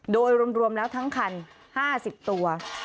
โดยรวมแล้วทั้งคัน๕๐ตัว